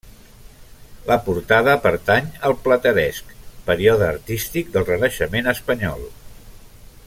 La portada pertany al Plateresc, període artístic del Renaixement espanyol.